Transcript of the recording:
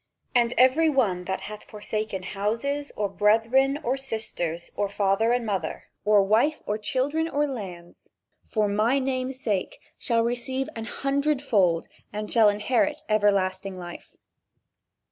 "And every one that hath forsaken houses, or brethren or sisters, or father or mother, or wife or children, or lands for my name's sake shall receive an hundred fold and shall inherit everlasting life."